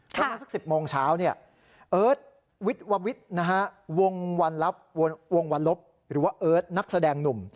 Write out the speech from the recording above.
ประมาณสัก๑๐โมงเช้าเอิร์ทวิทย์ววิทย์นะฮะวงวันลบหรือว่าเอิร์ทนักแสดงหนุ่ม